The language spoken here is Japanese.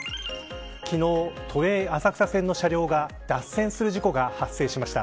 昨日、都営浅草線の車両が脱線する事故が発生しました。